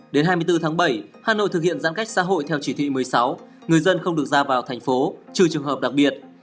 đến hai mươi bốn tháng bảy hà nội thực hiện giãn cách xã hội theo chỉ thị một mươi sáu người dân không được ra vào thành phố trừ trường hợp đặc biệt